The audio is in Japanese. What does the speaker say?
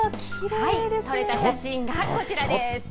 こちらです。